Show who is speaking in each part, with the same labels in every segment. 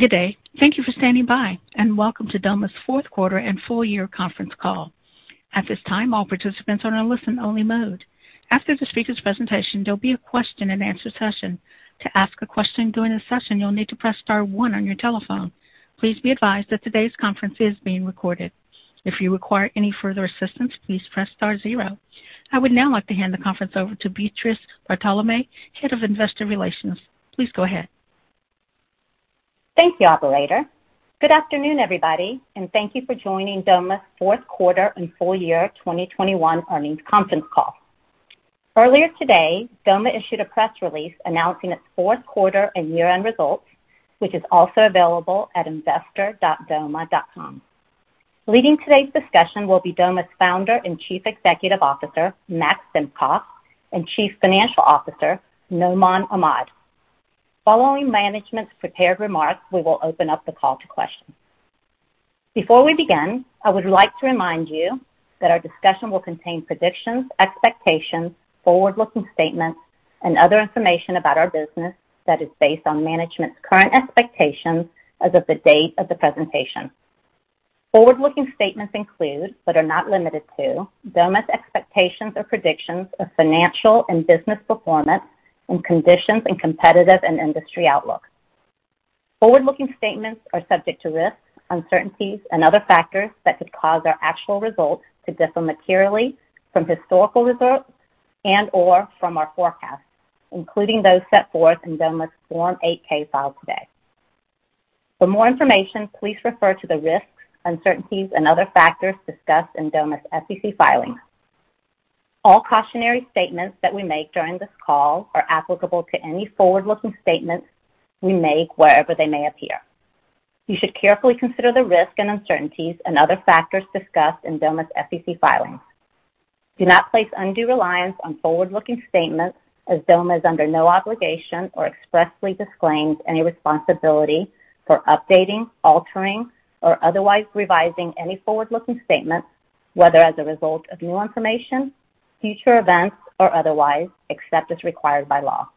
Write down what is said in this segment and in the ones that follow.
Speaker 1: Good day. Thank you for standing by, and welcome to Doma's fourth quarter and full year conference call. At this time, all participants are in a listen only mode. After the speaker's presentation, there'll be a question-and-answer session. To ask a question during the session, you'll need to press star one on your telephone. Please be advised that today's conference is being recorded. If you require any further assistance, please press star zero. I would now like to hand the conference over to Beatriz Bartolome, Head of Investor Relations. Please go ahead.
Speaker 2: Thank you, operator. Good afternoon, everybody, and thank you for joining Doma's fourth quarter and full year 2021 earnings conference call. Earlier today, Doma issued a press release announcing its fourth quarter and year-end results, which is also available at investor.doma.com. Leading today's discussion will be Doma's Founder and Chief Executive Officer, Max Simkoff, and Chief Financial Officer, Noaman Ahmad. Following management's prepared remarks, we will open up the call to questions. Before we begin, I would like to remind you that our discussion will contain predictions, expectations, forward-looking statements and other information about our business that is based on management's current expectations as of the date of the presentation. Forward-looking statements include, but are not limited to, Doma's expectations or predictions of financial and business performance and conditions and competitive and industry outlook. Forward-looking statements are subject to risks, uncertainties and other factors that could cause our actual results to differ materially from historical results and/or from our forecasts, including those set forth in Doma's Form 8-K filed today. For more information, please refer to the risks, uncertainties and other factors discussed in Doma's SEC filings. All cautionary statements that we make during this call are applicable to any forward-looking statements we make wherever they may appear. You should carefully consider the risk and uncertainties and other factors discussed in Doma's SEC filings. Do not place undue reliance on forward-looking statements as Doma is under no obligation or expressly disclaims any responsibility for updating, altering or otherwise revising any forward-looking statements, whether as a result of new information, future events or otherwise, except as required by law.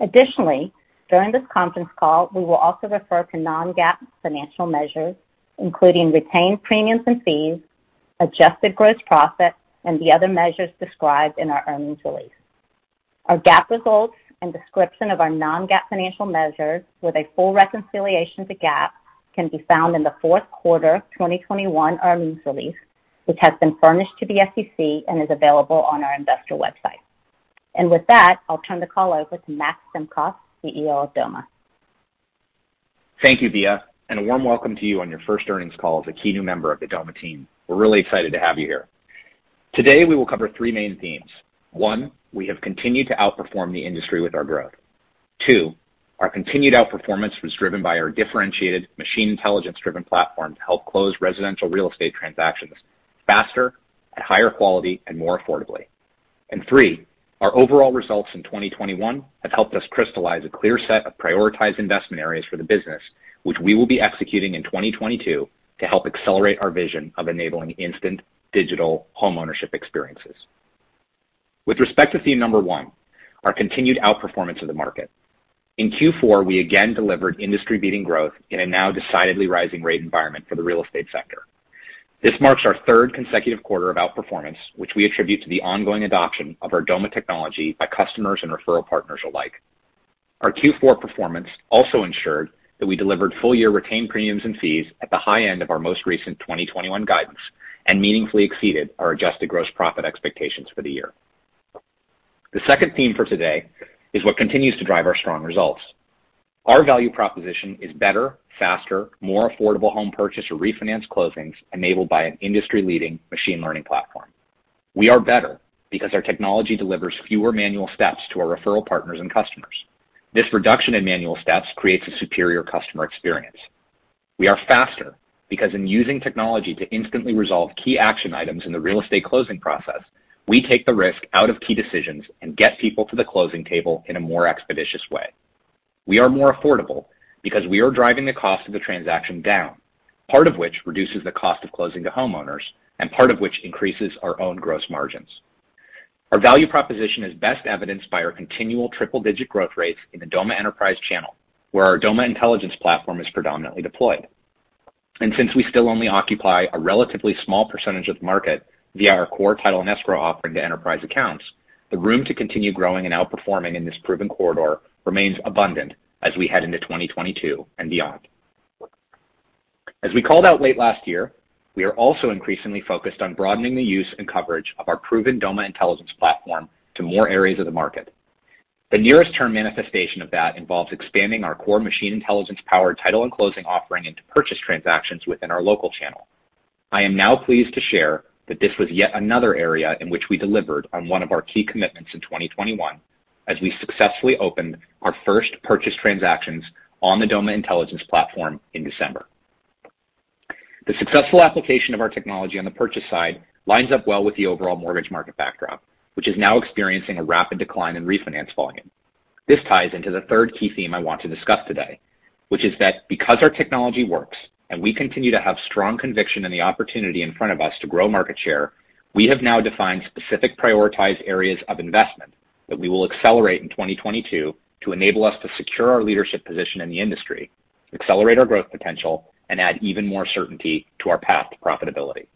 Speaker 2: Additionally, during this conference call, we will also refer to non-GAAP financial measures, including retained premiums and fees, adjusted gross profit and the other measures described in our earnings release. Our GAAP results and description of our non-GAAP financial measures with a full reconciliation to GAAP can be found in the fourth quarter 2021 earnings release, which has been furnished to the SEC and is available on our investor website. With that, I'll turn the call over to Max Simkoff, CEO of Doma.
Speaker 3: Thank you, Bea, and a warm welcome to you on your first earnings call as a key new member of the Doma team. We're really excited to have you here. Today, we will cover three main themes. One, we have continued to outperform the industry with our growth. Two, our continued outperformance was driven by our differentiated machine intelligence-driven platform to help close residential real estate transactions faster, at higher quality and more affordably. Three, our overall results in 2021 have helped us crystallize a clear set of prioritized investment areas for the business, which we will be executing in 2022 to help accelerate our vision of enabling instant digital homeownership experiences. With respect to theme number one, our continued outperformance of the market, in Q4, we again delivered industry-leading growth in a now decidedly rising rate environment for the real estate sector. This marks our third consecutive quarter of outperformance, which we attribute to the ongoing adoption of our Doma technology by customers and referral partners alike. Our Q4 performance also ensured that we delivered full year retained premiums and fees at the high end of our most recent 2021 guidance and meaningfully exceeded our adjusted gross profit expectations for the year. The second theme for today is what continues to drive our strong results. Our value proposition is better, faster, more affordable home purchase or refinance closings enabled by an industry-leading machine learning platform. We are better because our technology delivers fewer manual steps to our referral partners and customers. This reduction in manual steps creates a superior customer experience. We are faster because in using technology to instantly resolve key action items in the real estate closing process, we take the risk out of key decisions and get people to the closing table in a more expeditious way. We are more affordable because we are driving the cost of the transaction down, part of which reduces the cost of closing to homeowners and part of which increases our own gross margins. Our value proposition is best evidenced by our continual triple-digit growth rates in the Doma Enterprise channel, where our Doma Intelligence platform is predominantly deployed. Since we still only occupy a relatively small percentage of the market via our core title and escrow offering to enterprise accounts, the room to continue growing and outperforming in this proven corridor remains abundant as we head into 2022 and beyond. As we called out late last year, we are also increasingly focused on broadening the use and coverage of our proven Doma Intelligence platform to more areas of the market. The nearest term manifestation of that involves expanding our core machine intelligence powered title and closing offering into purchase transactions within our local channel. I am now pleased to share that this was yet another area in which we delivered on one of our key commitments in 2021, as we successfully opened our first purchase transactions on the Doma Intelligence platform in December. The successful application of our technology on the purchase side lines up well with the overall mortgage market backdrop, which is now experiencing a rapid decline in refinance volume. This ties into the third key theme I want to discuss today, which is that because our technology works and we continue to have strong conviction in the opportunity in front of us to grow market share, we have now defined specific prioritized areas of investment that we will accelerate in 2022 to enable us to secure our leadership position in the industry, accelerate our growth potential, and add even more certainty to our path to profitability.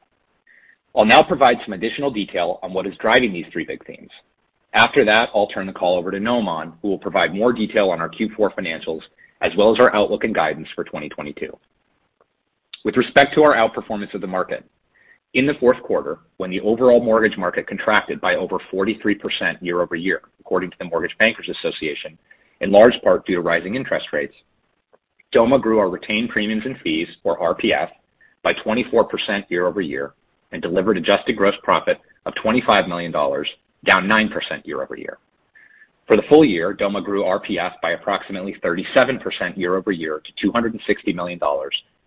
Speaker 3: I'll now provide some additional detail on what is driving these three big themes. After that, I'll turn the call over to Noaman, who will provide more detail on our Q4 financials as well as our outlook and guidance for 2022. With respect to our outperformance of the market, in the fourth quarter, when the overall mortgage market contracted by over 43% year-over-year, according to the Mortgage Bankers Association, in large part due to rising interest rates, Doma grew our retained premiums and fees, or RPF, by 24% year-over-year and delivered adjusted gross profit of $25 million, down 9% year-over-year. For the full year, Doma grew RPF by approximately 37% year-over-year to $260 million,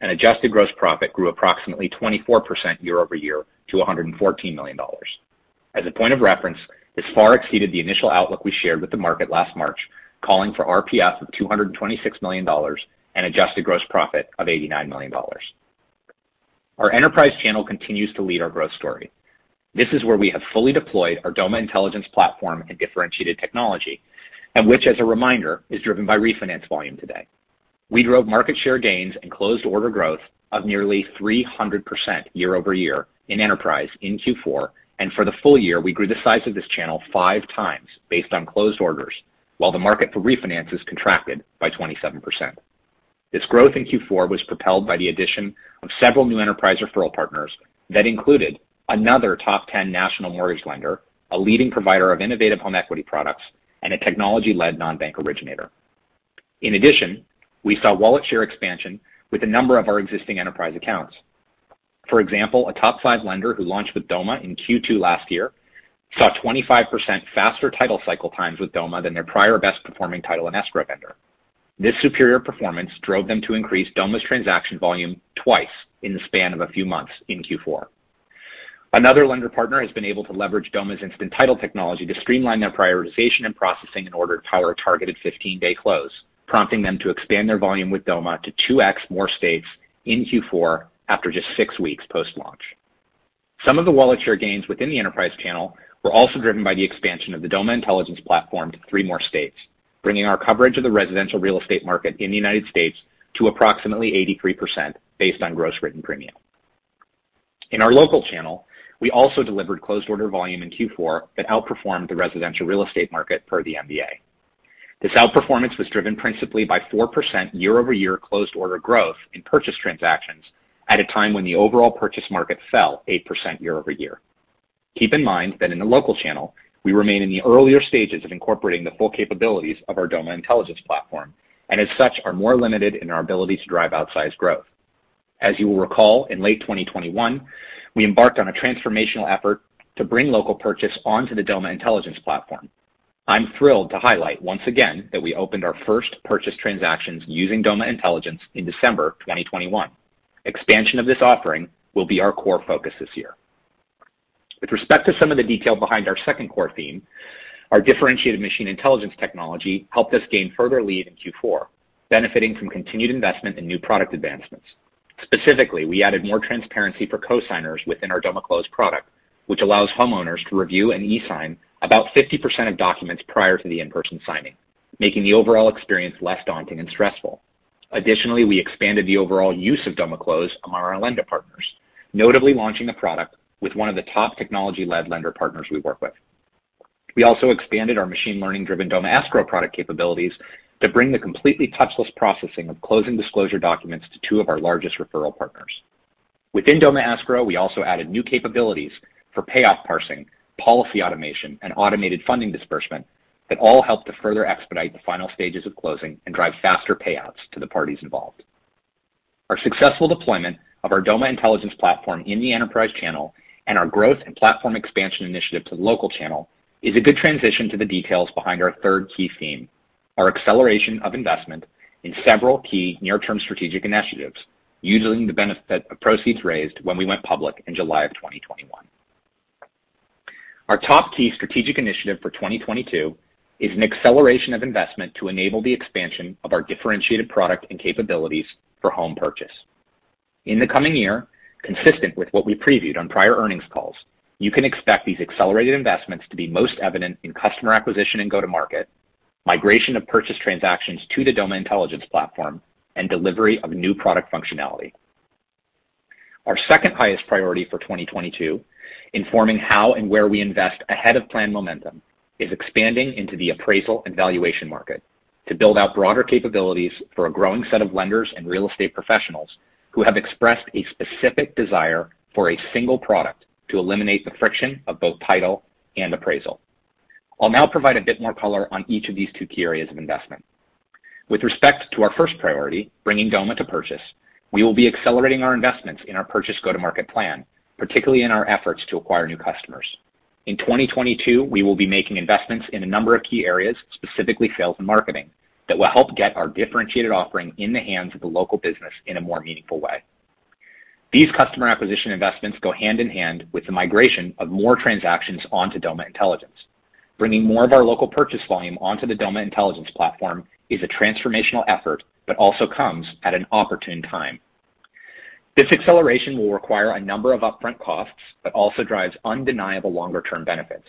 Speaker 3: and adjusted gross profit grew approximately 24% year-over-year to $114 million. As a point of reference, this far exceeded the initial outlook we shared with the market last March, calling for RPF of $226 million and adjusted gross profit of $89 million. Our enterprise channel continues to lead our growth story. This is where we have fully deployed our Doma Intelligence platform and differentiated technology, and which as a reminder, is driven by refinance volume today. We drove market share gains and closed order growth of nearly 300% year-over-year in enterprise in Q4. For the full year, we grew the size of this channel 5x based on closed orders, while the market for refinances contracted by 27%. This growth in Q4 was propelled by the addition of several new enterprise referral partners that included another top 10 national mortgage lender, a leading provider of innovative home equity products, and a technology-led non-bank originator. In addition, we saw wallet share expansion with a number of our existing enterprise accounts. For example, a top five lender who launched with Doma in Q2 last year saw 25% faster title cycle times with Doma than their prior best-performing title and escrow vendor. This superior performance drove them to increase Doma's transaction volume twice in the span of a few months in Q4. Another lender partner has been able to leverage Doma's instant title technology to streamline their prioritization and processing in order to power a targeted 15-day close, prompting them to expand their volume with Doma to 2x more states in Q4 after just 6 weeks post-launch. Some of the wallet share gains within the enterprise channel were also driven by the expansion of the Doma Intelligence platform to three more states, bringing our coverage of the residential real estate market in the United States to approximately 83% based on gross written premium. In our local channel, we also delivered closed order volume in Q4 that outperformed the residential real estate market per the MBA. This outperformance was driven principally by 4% year-over-year closed order growth in purchase transactions at a time when the overall purchase market fell 8% year-over-year. Keep in mind that in the local channel, we remain in the earlier stages of incorporating the full capabilities of our Doma Intelligence platform, and as such, are more limited in our ability to drive outsized growth. As you will recall, in late 2021, we embarked on a transformational effort to bring local purchase onto the Doma Intelligence platform. I'm thrilled to highlight once again that we opened our first purchase transactions using Doma Intelligence in December 2021. Expansion of this offering will be our core focus this year. With respect to some of the detail behind our second core theme, our differentiated machine intelligence technology helped us gain further lead in Q4, benefiting from continued investment in new product advancements. Specifically, we added more transparency for cosigners within our Doma Close product, which allows homeowners to review and e-sign about 50% of documents prior to the in-person signing, making the overall experience less daunting and stressful. Additionally, we expanded the overall use of Doma Close among our lender partners, notably launching the product with one of the top technology-led lender partners we work with. We also expanded our machine learning-driven Doma Escrow product capabilities to bring the completely touchless processing of Closing Disclosure documents to two of our largest referral partners. Within Doma Escrow, we also added new capabilities for payoff parsing, policy automation, and automated funding disbursement that all help to further expedite the final stages of closing and drive faster payouts to the parties involved. Our successful deployment of our Doma Intelligence platform in the enterprise channel and our growth and platform expansion initiative to the local channel is a good transition to the details behind our third key theme, our acceleration of investment in several key near-term strategic initiatives, utilizing the benefit of proceeds raised when we went public in July 2021. Our top key strategic initiative for 2022 is an acceleration of investment to enable the expansion of our differentiated product and capabilities for home purchase. In the coming year, consistent with what we previewed on prior earnings calls, you can expect these accelerated investments to be most evident in customer acquisition and go-to-market, migration of purchase transactions to the Doma Intelligence platform, and delivery of new product functionality. Our second highest priority for 2022, informing how and where we invest ahead of plan momentum, is expanding into the appraisal and valuation market to build out broader capabilities for a growing set of lenders and real estate professionals who have expressed a specific desire for a single product to eliminate the friction of both title and appraisal. I'll now provide a bit more color on each of these two key areas of investment. With respect to our first priority, bringing Doma to purchase, we will be accelerating our investments in our purchase go-to-market plan, particularly in our efforts to acquire new customers. In 2022, we will be making investments in a number of key areas, specifically sales and marketing, that will help get our differentiated offering in the hands of the local business in a more meaningful way. These customer acquisition investments go hand-in-hand with the migration of more transactions onto Doma Intelligence. Bringing more of our local purchase volume onto the Doma Intelligence platform is a transformational effort, but also comes at an opportune time. This acceleration will require a number of upfront costs, but also drives undeniable longer-term benefits.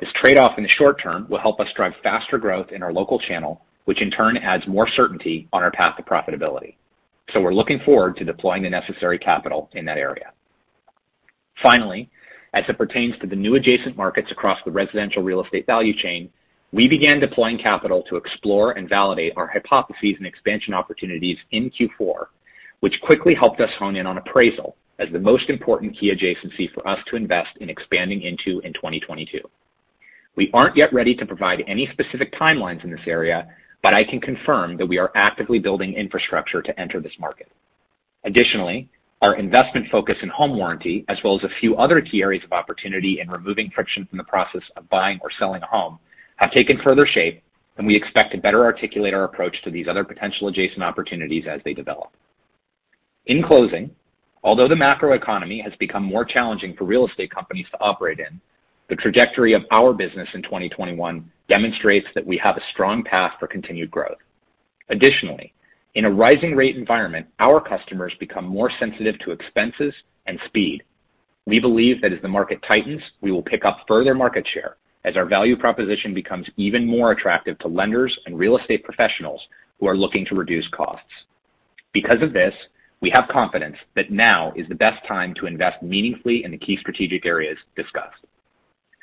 Speaker 3: This trade-off in the short term will help us drive faster growth in our local channel, which in turn adds more certainty on our path to profitability. We're looking forward to deploying the necessary capital in that area. Finally, as it pertains to the new adjacent markets across the residential real estate value chain, we began deploying capital to explore and validate our hypotheses and expansion opportunities in Q4, which quickly helped us hone in on appraisal as the most important key adjacency for us to invest in expanding into in 2022. We aren't yet ready to provide any specific timelines in this area, but I can confirm that we are actively building infrastructure to enter this market. Additionally, our investment focus in home warranty, as well as a few other key areas of opportunity in removing friction from the process of buying or selling a home, have taken further shape, and we expect to better articulate our approach to these other potential adjacent opportunities as they develop. In closing, although the macroeconomy has become more challenging for real estate companies to operate in, the trajectory of our business in 2021 demonstrates that we have a strong path for continued growth. Additionally, in a rising rate environment, our customers become more sensitive to expenses and speed. We believe that as the market tightens, we will pick up further market share as our value proposition becomes even more attractive to lenders and real estate professionals who are looking to reduce costs. Because of this, we have confidence that now is the best time to invest meaningfully in the key strategic areas discussed.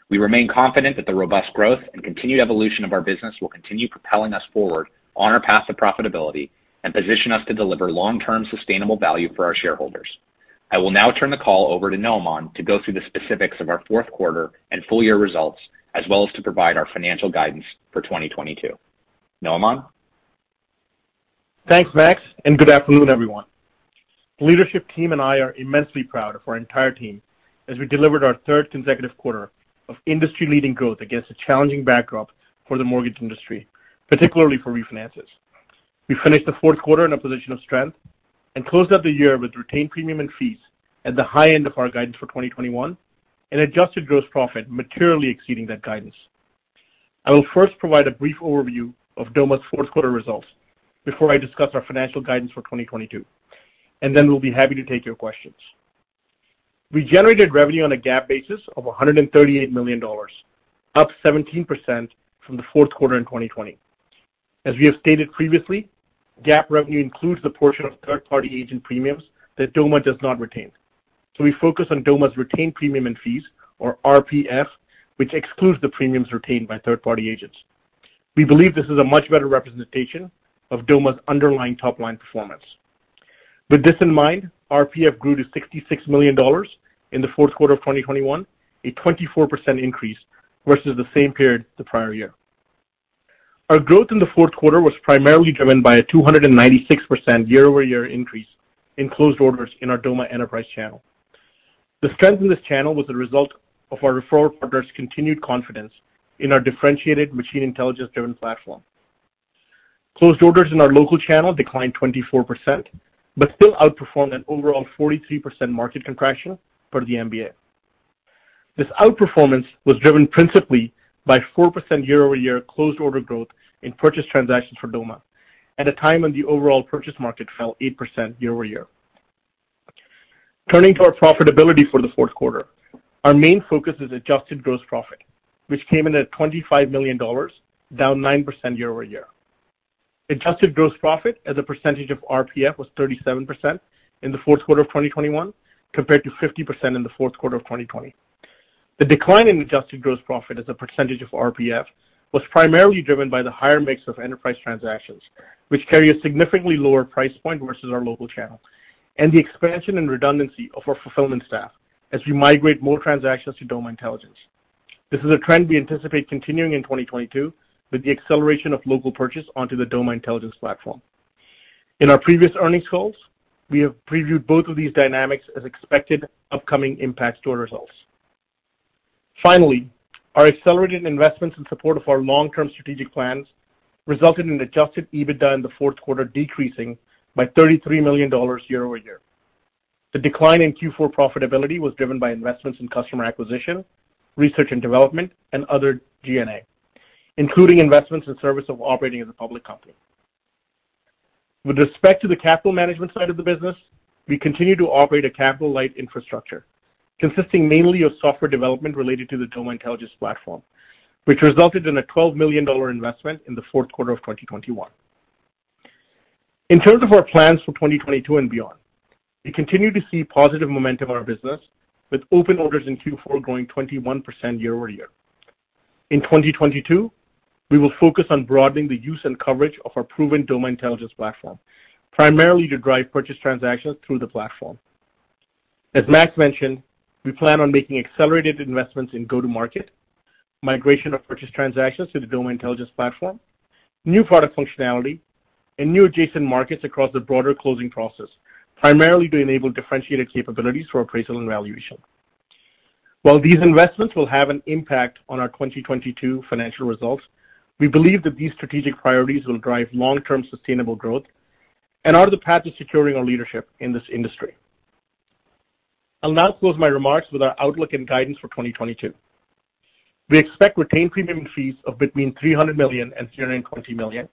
Speaker 3: We remain confident that the robust growth and continued evolution of our business will continue propelling us forward on our path to profitability and position us to deliver long-term sustainable value for our shareholders. I will now turn the call over to Noaman to go through the specifics of our fourth quarter and full year results, as well as to provide our financial guidance for 2022. Noaman?
Speaker 4: Thanks, Max, and good afternoon, everyone. The leadership team and I are immensely proud of our entire team as we delivered our third consecutive quarter of industry-leading growth against a challenging backdrop for the mortgage industry, particularly for refinances. We finished the fourth quarter in a position of strength and closed out the year with retained premiums and fees at the high end of our guidance for 2021 and adjusted gross profit materially exceeding that guidance. I will first provide a brief overview of Doma's fourth quarter results before I discuss our financial guidance for 2022, and then we'll be happy to take your questions. We generated revenue on a GAAP basis of $138 million, up 17% from the fourth quarter in 2020. As we have stated previously, GAAP revenue includes the portion of third-party agent premiums that Doma does not retain. We focus on Doma's retained premiums and fees, or RPF, which excludes the premiums retained by third-party agents. We believe this is a much better representation of Doma's underlying top-line performance. With this in mind, RPF grew to $66 million in the fourth quarter of 2021, a 24% increase versus the same period the prior year. Our growth in the fourth quarter was primarily driven by a 296% year-over-year increase in closed orders in our Doma Enterprise channel. The strength in this channel was a result of our referral partners' continued confidence in our differentiated machine intelligence-driven platform. Closed orders in our local channel declined 24%, but still outperformed an overall 43% market contraction for the MBA. This outperformance was driven principally by 4% year-over-year closed order growth in purchase transactions for Doma at a time when the overall purchase market fell 8% year-over-year. Turning to our profitability for the fourth quarter, our main focus is adjusted gross profit, which came in at $25 million, down 9% year-over-year. Adjusted gross profit as a percentage of RPF was 37% in the fourth quarter of 2021, compared to 50% in the fourth quarter of 2020. The decline in adjusted gross profit as a percentage of RPF was primarily driven by the higher mix of enterprise transactions, which carry a significantly lower price point versus our local channel, and the expansion and redundancy of our fulfillment staff as we migrate more transactions to Doma Intelligence. This is a trend we anticipate continuing in 2022 with the acceleration of local purchase onto the Doma Intelligence platform. In our previous earnings calls, we have previewed both of these dynamics as expected upcoming impacts to our results. Finally, our accelerated investments in support of our long-term strategic plans resulted in adjusted EBITDA in the fourth quarter decreasing by $33 million year-over-year. The decline in Q4 profitability was driven by investments in customer acquisition, research and development, and other G&A, including investments in service of operating as a public company. With respect to the capital management side of the business, we continue to operate a capital-light infrastructure consisting mainly of software development related to the Doma Intelligence platform, which resulted in a $12 million investment in the fourth quarter of 2021. In terms of our plans for 2022 and beyond, we continue to see positive momentum in our business with open orders in Q4 growing 21% year-over-year. In 2022, we will focus on broadening the use and coverage of our proven Doma Intelligence platform, primarily to drive purchase transactions through the platform. As Max mentioned, we plan on making accelerated investments in go-to-market, migration of purchase transactions to the Doma Intelligence platform, new product functionality, and new adjacent markets across the broader closing process, primarily to enable differentiated capabilities for appraisal and valuation. While these investments will have an impact on our 2022 financial results, we believe that these strategic priorities will drive long-term sustainable growth and are the path to securing our leadership in this industry. I'll now close my remarks with our outlook and guidance for 2022. We expect retained premiums and fees of between $300 million and $320 million.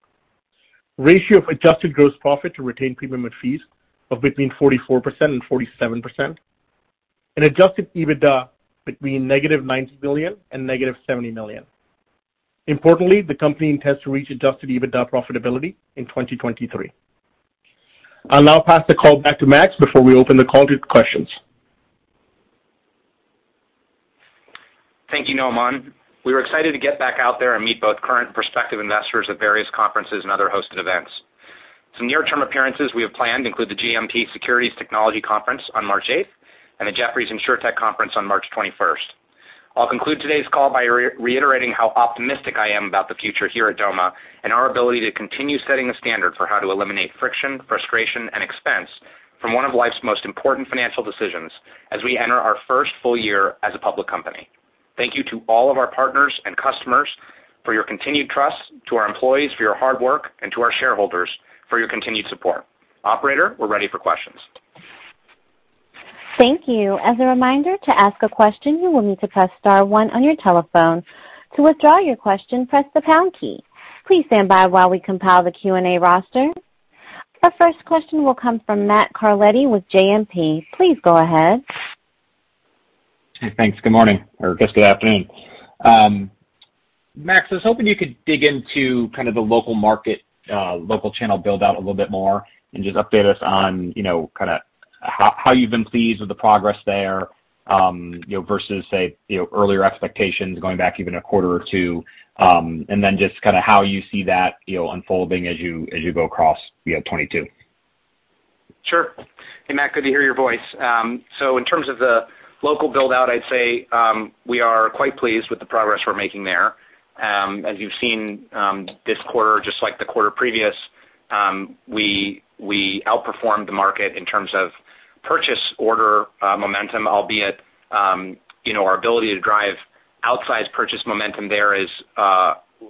Speaker 4: Ratio of adjusted gross profit to retained premiums and fees of between 44% and 47%. An adjusted EBITDA between -$90 million and -$70 million. Importantly, the company intends to reach adjusted EBITDA profitability in 2023. I'll now pass the call back to Max before we open the call to questions.
Speaker 3: Thank you, Noman. We were excited to get back out there and meet both current and prospective investors at various conferences and other hosted events. Some near-term appearances we have planned include the JMP Securities Technology Conference on March 8 and the Jefferies Insurtech Conference on March 21. I'll conclude today's call by reiterating how optimistic I am about the future here at Doma and our ability to continue setting the standard for how to eliminate friction, frustration, and expense from one of life's most important financial decisions as we enter our first full year as a public company. Thank you to all of our partners and customers for your continued trust, to our employees for your hard work, and to our shareholders for your continued support. Operator, we're ready for questions.
Speaker 1: Thank you. As a reminder, to ask a question, you will need to press star one on your telephone. To withdraw your question, press the pound key. Please stand by while we compile the Q&A roster. Our first question will come from Matt Carletti with JMP. Please go ahead.
Speaker 5: Thanks. Good morning or I guess good afternoon. Max, I was hoping you could dig into kind of the local market, local channel build-out a little bit more and just update us on, you know, kind of how you've been pleased with the progress there, you know, versus, say, you know, earlier expectations going back even a quarter or two, and then just kind of how you see that, you know, unfolding as you go across, you know, 2022.
Speaker 3: Sure. Hey, Matt, good to hear your voice. So in terms of the local build-out, I'd say, we are quite pleased with the progress we're making there. As you've seen, this quarter, just like the quarter previous, we outperformed the market in terms of purchase order momentum, albeit, you know, our ability to drive outsized purchase momentum there is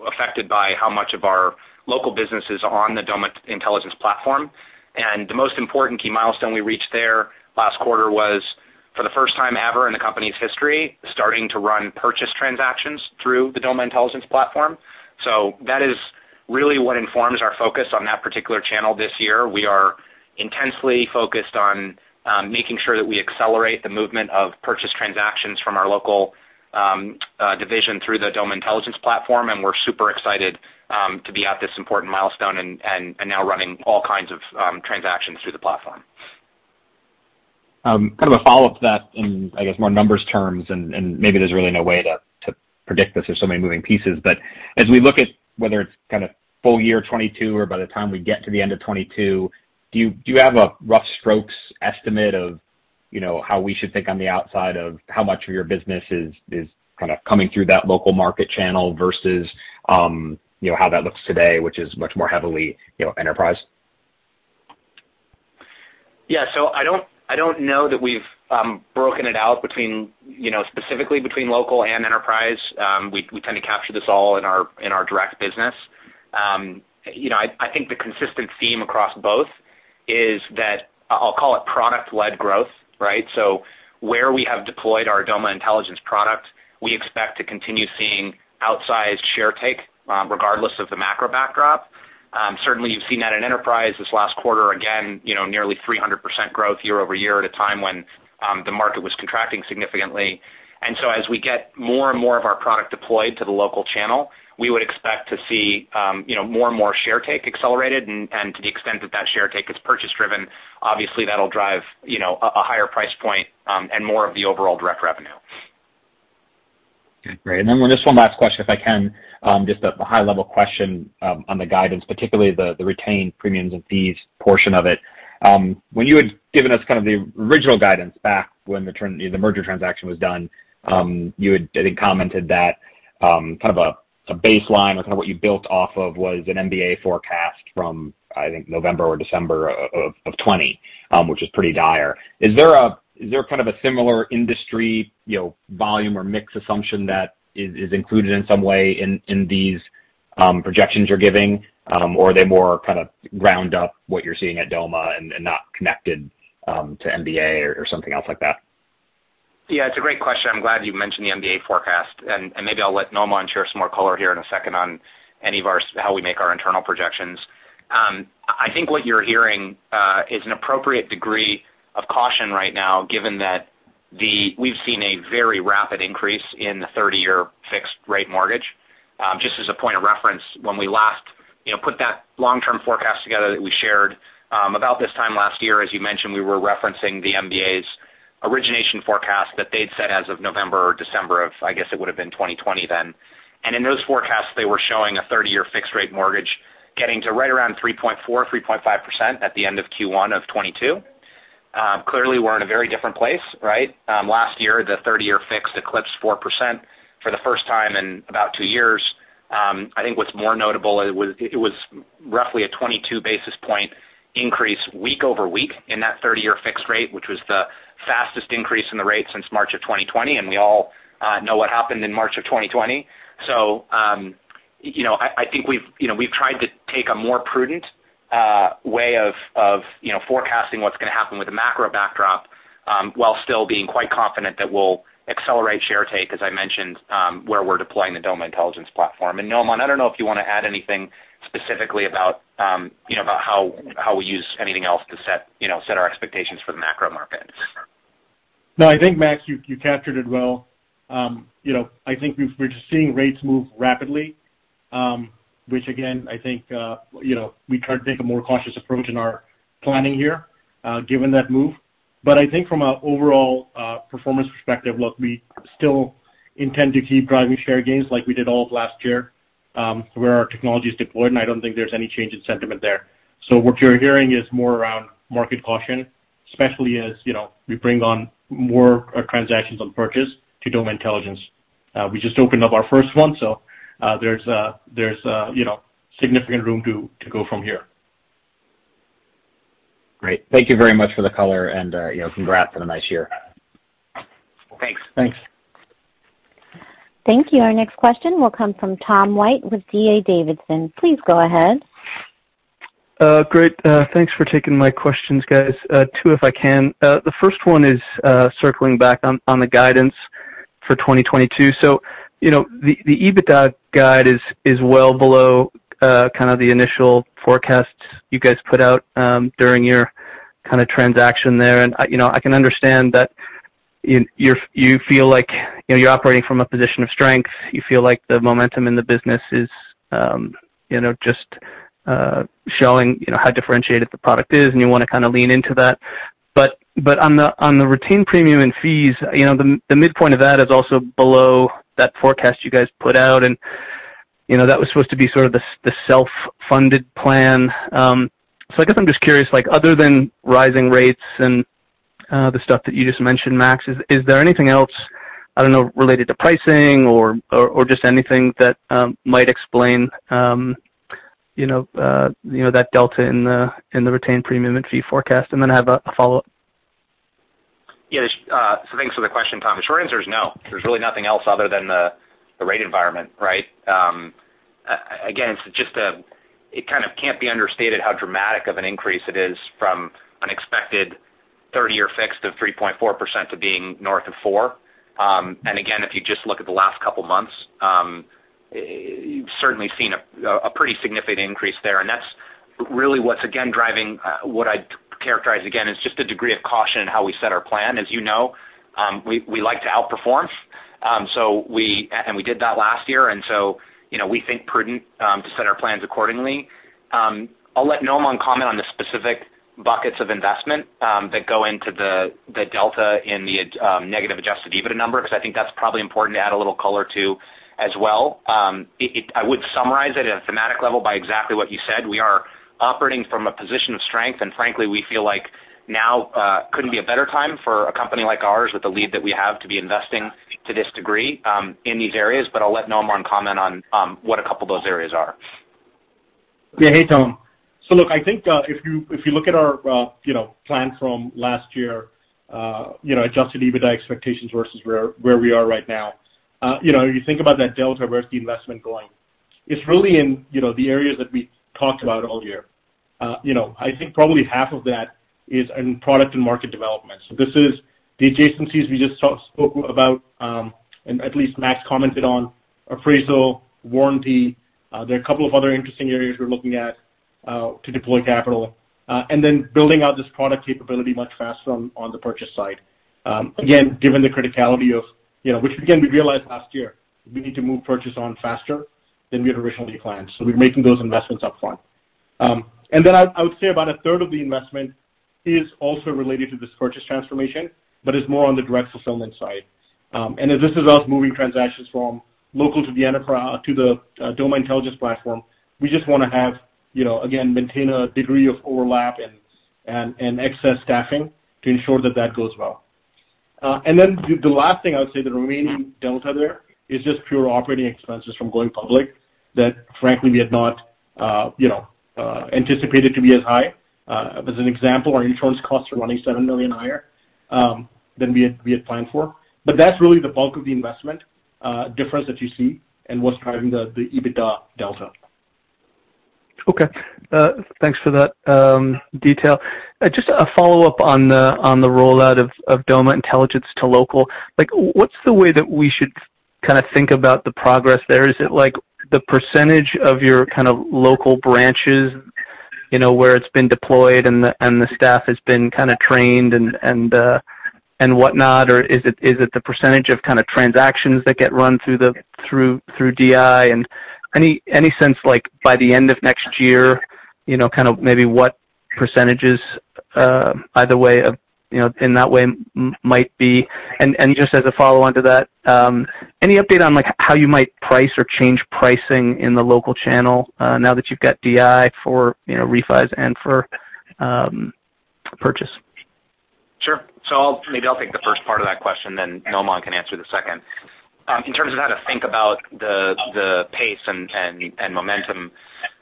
Speaker 3: affected by how much of our local business is on the Doma Intelligence platform. The most important key milestone we reached there last quarter was, for the first time ever in the company's history, starting to run purchase transactions through the Doma Intelligence platform. That is really what informs our focus on that particular channel this year. We are intensely focused on making sure that we accelerate the movement of purchase transactions from our local division through the Doma Intelligence platform, and we're super excited to be at this important milestone and now running all kinds of transactions through the platform.
Speaker 5: Kind of a follow-up to that in, I guess, more numbers terms, and maybe there's really no way to predict this, there's so many moving pieces. But as we look at whether it's kinda full year 2022 or by the time we get to the end of 2022, do you have a rough strokes estimate of, you know, how we should think on the outside of how much of your business is kinda coming through that local market channel versus, you know, how that looks today, which is much more heavily, you know, enterprise?
Speaker 3: Yeah. I don't know that we've broken it out between, you know, specifically between local and enterprise. We tend to capture this all in our direct business. You know, I think the consistent theme across both is that I'll call it product-led growth, right? Where we have deployed our Doma Intelligence product, we expect to continue seeing outsized share take, regardless of the macro backdrop. Certainly you've seen that in enterprise this last quarter, again, you know, nearly 300% growth year-over-year at a time when the market was contracting significantly. We get more and more of our product deployed to the local channel, we would expect to see, you know, more and more share take accelerated. To the extent that share take is purchase driven, obviously that'll drive, you know, a higher price point, and more of the overall direct revenue.
Speaker 5: Okay, great. Just one last question if I can, just a high level question on the guidance, particularly the retained premiums and fees portion of it. When you had given us kind of the original guidance back when the merger transaction was done, you had, I think, commented that kind of a baseline or kinda what you built off of was an MBA forecast from, I think, November or December of 2020, which is pretty dire. Is there kind of a similar industry, you know, volume or mix assumption that is included in some way in these projections you're giving? Or are they more kinda ground up what you're seeing at Doma and not connected to MBA or something else like that?
Speaker 3: Yeah, it's a great question. I'm glad you mentioned the MBA forecast, and maybe I'll let Noaman share some more color here in a second on how we make our internal projections. I think what you're hearing is an appropriate degree of caution right now given that we've seen a very rapid increase in the 30-year fixed-rate mortgage. Just as a point of reference, when we last, you know, put that long-term forecast together that we shared about this time last year, as you mentioned, we were referencing the MBA's origination forecast that they'd set as of November or December of, I guess, it would've been 2020 then. In those forecasts, they were showing a 30-year fixed-rate mortgage getting to right around 3.4%, 3.5% at the end of Q1 of 2022. Clearly we're in a very different place, right? Last year, the 30-year fixed eclipsed 4% for the first time in about two years. I think what's more notable, it was roughly a 22 basis point increase week-over-week in that 30-year fixed rate, which was the fastest increase in the rate since March 2020, and we all know what happened in March 2020. You know, I think we've tried to take a more prudent way of forecasting what's gonna happen with the macro backdrop, while still being quite confident that we'll accelerate share take, as I mentioned, where we're deploying the Doma Intelligence platform. Noaman, I don't know if you wanna add anything specifically about, you know, about how we use anything else to set, you know, our expectations for the macro market.
Speaker 4: No, I think, Max, you captured it well. You know, I think we're just seeing rates move rapidly, which again, I think, you know, we try to take a more cautious approach in our planning here, given that move. But I think from a overall performance perspective, look, we still intend to keep driving share gains like we did all of last year, where our technology is deployed, and I don't think there's any change in sentiment there. What you're hearing is more around market caution, especially as, you know, we bring on more transactions on purchase to Doma Intelligence. We just opened up our first one, so there's significant room to go from here.
Speaker 3: Great. Thank you very much for the color and, you know, congrats on a nice year.
Speaker 4: Thanks.
Speaker 3: Thanks.
Speaker 1: Thank you. Our next question will come from Tom White with D.A. Davidson. Please go ahead.
Speaker 6: Great. Thanks for taking my questions, guys. Two, if I can. The first one is circling back on the guidance for 2022. You know, the EBITDA guide is well below kind of the initial forecasts you guys put out during your kind of transaction there. You know, I can understand that you're you feel like you know, you're operating from a position of strength. You feel like the momentum in the business is you know, just showing you know, how differentiated the product is, and you wanna kinda lean into that. On the retained premiums and fees, you know, the midpoint of that is also below that forecast you guys put out. You know, that was supposed to be sort of the self-funded plan. I guess I'm just curious, like other than rising rates and the stuff that you just mentioned, Max, is there anything else, I don't know, related to pricing or just anything that might explain, you know, that delta in the retained premium and fee forecast? I have a follow-up.
Speaker 3: Yeah. So thanks for the question, Tom. The short answer is no. There's really nothing else other than the rate environment, right? Again, it's just that it kind of can't be understated how dramatic of an increase it is from an expected 30-year fixed of 3.4% to being north of 4%. And again, if you just look at the last couple months, you've certainly seen a pretty significant increase there. That's really what's driving what I'd characterize as just a degree of caution in how we set our plan. As you know, we like to outperform. We did that last year, and so you know, we think it prudent to set our plans accordingly. I'll let Noman comment on the specific buckets of investment that go into the delta in the negative adjusted EBITDA number 'cause I think that's probably important to add a little color to as well. I would summarize it at a thematic level by exactly what you said. We are operating from a position of strength, and frankly, we feel like now couldn't be a better time for a company like ours with the lead that we have to be investing to this degree in these areas. I'll let Noman comment on what a couple of those areas are.
Speaker 4: Yeah. Hey, Tom. Look, I think if you look at our plan from last year, you know, adjusted EBITDA expectations versus where we are right now, you know, you think about that delta, where's the investment going? It's really in, you know, the areas that we talked about all year. I think probably half of that is in product and market development. This is the adjacencies we just spoke about, and at least Max commented on appraisal, warranty. There are a couple of other interesting areas we're looking at to deploy capital. And then building out this product capability much faster on the purchase side. Again, given the criticality of, you know, which again, we realized last year, we need to move purchase on faster than we had originally planned. We're making those investments up front. I would say about a third of the investment is also related to this purchase transformation, but it's more on the direct fulfillment side. As this is us moving transactions from local to the Doma Intelligence platform, we just wanna have, you know, again, maintain a degree of overlap and excess staffing to ensure that that goes well. The last thing I would say, the remaining delta there is just pure operating expenses from going public that frankly we had not, you know, anticipated to be as high. As an example, our insurance costs are running $7 million higher than we had planned for. That's really the bulk of the investment difference that you see and what's driving the EBITDA delta.
Speaker 6: Thanks for that detail. Just a follow-up on the rollout of Doma Intelligence to local. Like, what's the way that we should kinda think about the progress there? Is it like the percentage of your kind of local branches, you know, where it's been deployed and the staff has been kinda trained and whatnot? Or is it the percentage of kind of transactions that get run through DI? And any sense like by the end of next year, you know, kind of maybe what percentages either way of, you know, in that way might be? Just as a follow-on to that, any update on like how you might price or change pricing in the local channel, now that you've got DI for, you know, refis and for purchase?
Speaker 3: Sure. I'll maybe take the first part of that question, then Noman can answer the second. In terms of how to think about the pace and momentum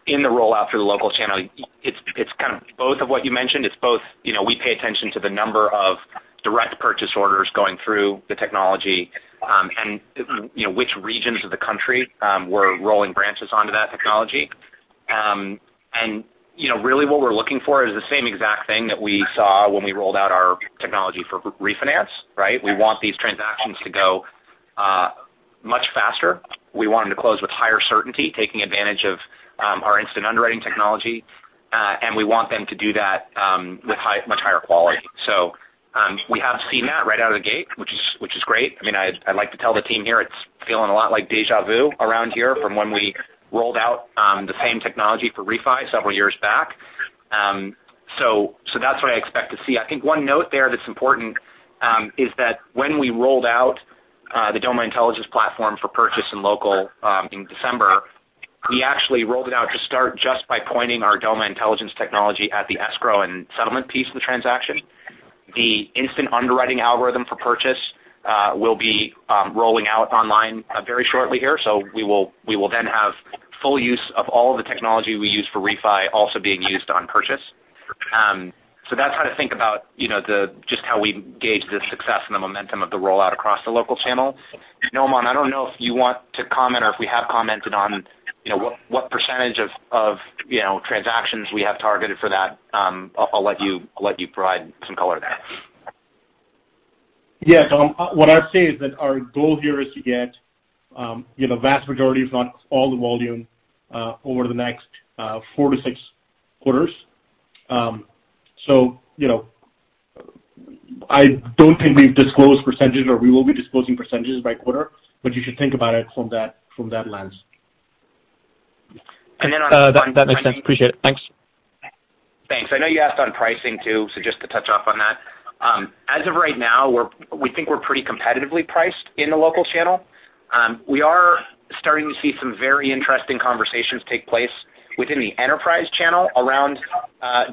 Speaker 3: in the rollout for the local channel, it's kind of both of what you mentioned. It's both, you know, we pay attention to the number of direct purchase orders going through the technology, and, you know, which regions of the country we're rolling branches onto that technology. And, you know, really what we're looking for is the same exact thing that we saw when we rolled out our technology for refinance, right? We want these transactions to go much faster. We want them to close with higher certainty, taking advantage of our instant underwriting technology. And we want them to do that with much higher quality. We have seen that right out of the gate, which is great. I mean, I like to tell the team here it's feeling a lot like déjà vu around here from when we rolled out the same technology for refi several years back. That's what I expect to see. I think one note there that's important is that when we rolled out the Doma Intelligence platform for purchase and local in December, we actually rolled it out to start just by pointing our Doma Intelligence technology at the escrow and settlement piece of the transaction. The instant underwriting algorithm for purchase will be rolling out online very shortly here. We will then have full use of all the technology we use for refi also being used on purchase. That's how to think about, you know, the just how we gauge the success and the momentum of the rollout across the local channel. Noman, I don't know if you want to comment or if we have commented on, you know, what percentage of you know, transactions we have targeted for that. I'll let you provide some color there.
Speaker 4: Yeah. What I'd say is that our goal here is to get, you know, vast majority, if not all the volume, over the next four to six quarters. You know, I don't think we've disclosed percentages or we will be disclosing percentages by quarter, but you should think about it from that lens.
Speaker 3: And then on-
Speaker 6: That makes sense. I appreciate it. Thanks.
Speaker 3: Thanks. I know you asked on pricing too, so just to touch off on that. As of right now, we think we're pretty competitively priced in the local channel. We are starting to see some very interesting conversations take place within the enterprise channel around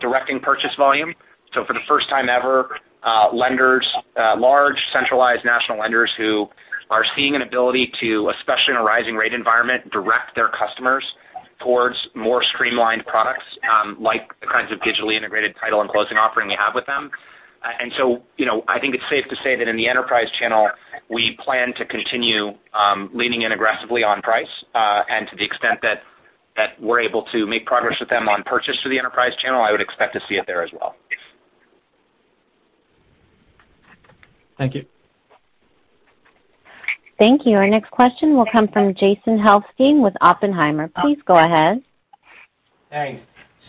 Speaker 3: directing purchase volume. For the first time ever, lenders large centralized national lenders who are seeing an ability to, especially in a rising rate environment, direct their customers towards more streamlined products like the kinds of digitally integrated title and closing offering we have with them. You know, I think it's safe to say that in the Enterprise channel, we plan to continue leaning in aggressively on price. To the extent that we're able to make progress with them on purchase to the Enterprise channel, I would expect to see it there as well.
Speaker 6: Thank you.
Speaker 1: Thank you. Our next question will come from Jason Helfstein with Oppenheimer. Please go ahead.
Speaker 7: Thanks.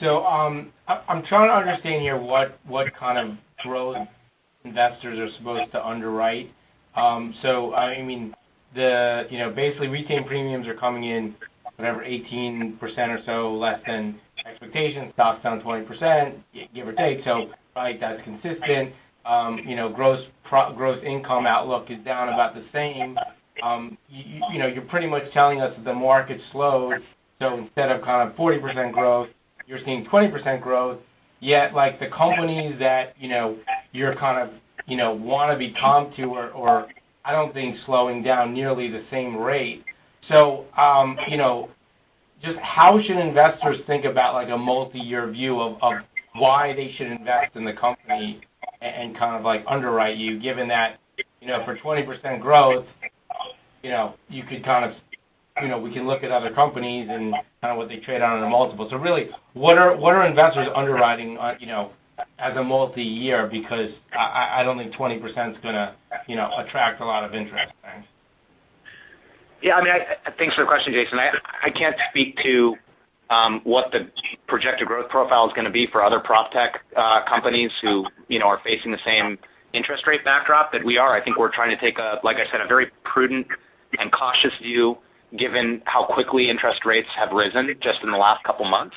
Speaker 7: I'm trying to understand here what kind of growth investors are supposed to underwrite. I mean, you know, basically retained premiums are coming in whatever 18% or so less than expectations. Stock's down 20%, give or take. Right, that's consistent. You know, gross income outlook is down about the same. You know, you're pretty much telling us that the market slowed, so instead of kind of 40% growth, you're seeing 20% growth. Yet, like, the companies that, you know, you're kind of, you know, wanna be comp to or I don't think slowing down nearly the same rate. You know, just how should investors think about, like, a multiyear view of why they should invest in the company and kind of like underwrite you, given that, you know, for 20% growth, you know, you could kind of, you know, we can look at other companies and kind of what they trade on in a multiple. Really, what are investors underwriting on, you know, as a multiyear? Because I don't think 20%'s gonna, you know, attract a lot of interest. Thanks.
Speaker 3: Yeah. I mean, thanks for the question, Jason. I can't speak to what the projected growth profile is gonna be for other proptech companies who, you know, are facing the same interest rate backdrop that we are. I think we're trying to take, like I said, a very prudent and cautious view given how quickly interest rates have risen just in the last couple months.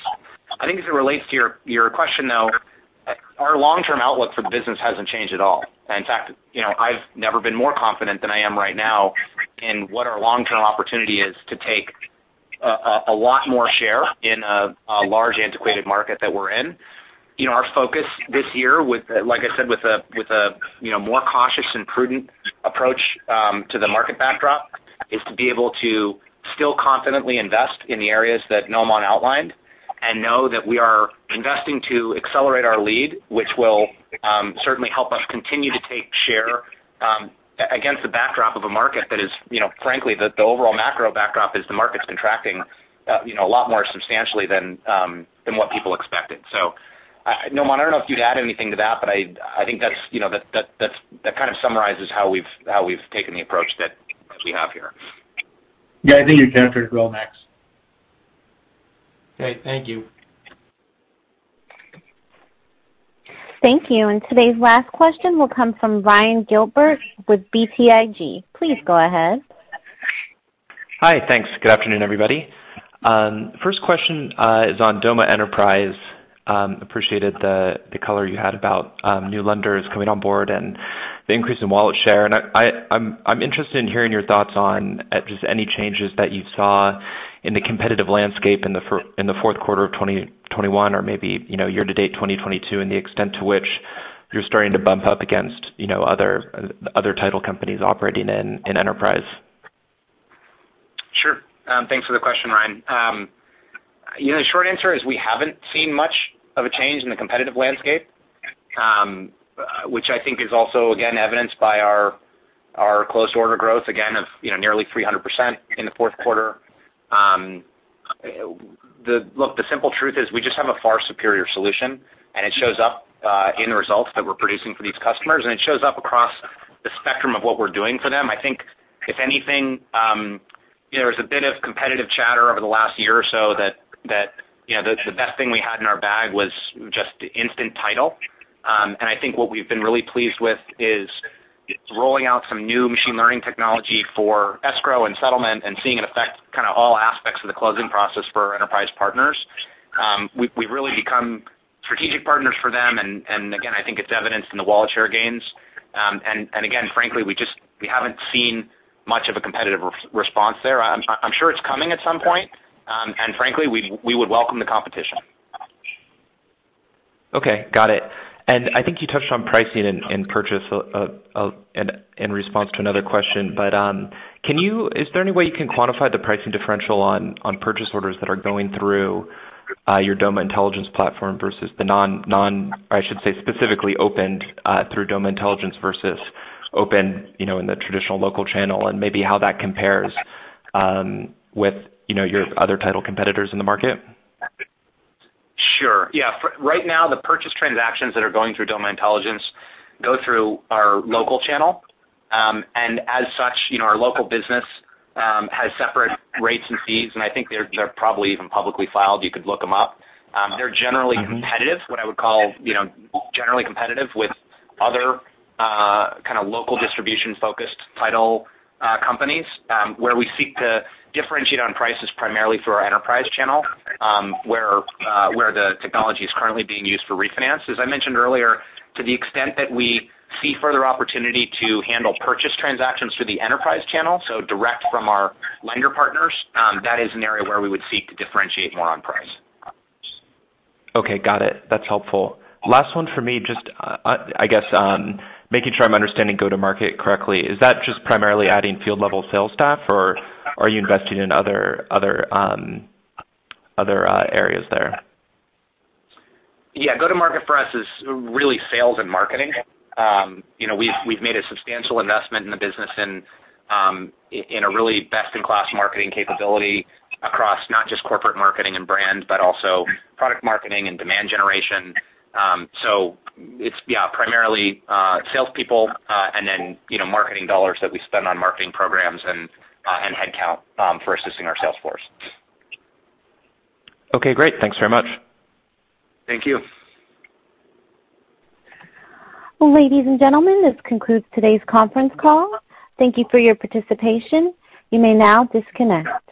Speaker 3: I think as it relates to your question though, our long-term outlook for the business hasn't changed at all. In fact, you know, I've never been more confident than I am right now in what our long-term opportunity is to take a lot more share in a large antiquated market that we're in. You know, our focus this year, like I said, with a more cautious and prudent approach to the market backdrop is to be able to still confidently invest in the areas that Noaman outlined and know that we are investing to accelerate our lead, which will certainly help us continue to take share against the backdrop of a market that is, you know, frankly, the overall macro backdrop is the market's contracting, you know, a lot more substantially than what people expected. Noaman, I don't know if you'd add anything to that, but I think that's, you know, that kind of summarizes how we've taken the approach that we have here.
Speaker 4: Yeah. I think you've captured it well, Max.
Speaker 7: Okay. Thank you.
Speaker 1: Thank you. Today's last question will come from Ryan Gilbert with BTIG. Please go ahead.
Speaker 8: Hi. Thanks. Good afternoon, everybody. First question is on Doma Enterprise. Appreciated the color you had about new lenders coming on board and the increase in wallet share. I'm interested in hearing your thoughts on just any changes that you saw in the competitive landscape in the fourth quarter of 2021 or maybe year-to-date 2022, and the extent to which you're starting to bump up against other title companies operating in Enterprise.
Speaker 3: Sure. Thanks for the question, Ryan. You know, the short answer is we haven't seen much of a change in the competitive landscape, which I think is also again evidenced by our close order growth again of, you know, nearly 300% in the fourth quarter. Look, the simple truth is we just have a far superior solution, and it shows up in the results that we're producing for these customers, and it shows up across the spectrum of what we're doing for them. I think if anything, you know, there's a bit of competitive chatter over the last year or so that, you know, the best thing we had in our bag was just instant title. I think what we've been really pleased with is rolling out some new machine learning technology for escrow and settlement and seeing it affect kinda all aspects of the closing process for our enterprise partners. We've really become strategic partners for them and again, I think it's evidenced in the wallet share gains. Again, frankly, we just haven't seen much of a competitive response there. I'm sure it's coming at some point, and frankly, we would welcome the competition.
Speaker 8: Okay, got it. I think you touched on pricing and purchase in response to another question. Is there any way you can quantify the pricing differential on purchase orders that are going through your Doma Intelligence platform versus the non-DI or I should say specifically opened through Doma Intelligence versus opened you know in the traditional local channel, and maybe how that compares with you know your other title competitors in the market?
Speaker 3: Sure. Yeah. Right now the purchase transactions that are going through Doma Intelligence go through our local channel. As such, you know, our local business has separate rates and fees, and I think they're probably even publicly filed. You could look them up. They're generally competitive, what I would call, you know, generally competitive with other kinda local distribution-focused title companies, where we seek to differentiate on prices primarily through our enterprise channel, where the technology is currently being used for refinance. As I mentioned earlier, to the extent that we see further opportunity to handle purchase transactions through the enterprise channel, so direct from our lender partners, that is an area where we would seek to differentiate more on price.
Speaker 8: Okay, got it. That's helpful. Last one for me, just, I guess, making sure I'm understanding go-to-market correctly. Is that just primarily adding field-level sales staff or are you investing in other areas there?
Speaker 3: Yeah. Go-to-market for us is really sales and marketing. You know, we've made a substantial investment in the business and in a really best-in-class marketing capability across not just corporate marketing and brand, but also product marketing and demand generation. So it's yeah, primarily salespeople and then you know, marketing dollars that we spend on marketing programs and headcount for assisting our sales force.
Speaker 8: Okay, great. Thanks very much.
Speaker 3: Thank you.
Speaker 1: Ladies and gentlemen, this concludes today's conference call. Thank you for your participation. You may now disconnect.